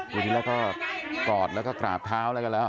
วันนี้แล้วก็กอดแล้วก็กราบเท้าแล้วกันแล้ว